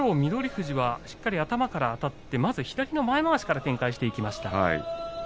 富士は頭からあたって左の前まわしから展開していきました。